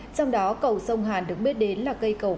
trong đó cầu sông hàn được biết đến là cây cầu